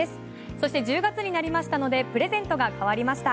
そして１０月になりましたのでプレゼントが変わりました。